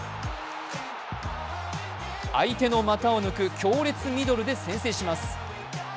相手の股を抜く強烈ミドルで先制します。